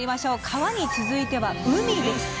川に続いては海です。